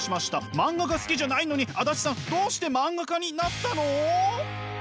漫画が好きじゃないのに足立さんどうして漫画家になったの？